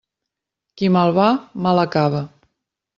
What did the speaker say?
Qui mal va, mal acaba.